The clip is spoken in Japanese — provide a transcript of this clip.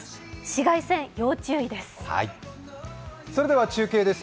紫外線、要注意です。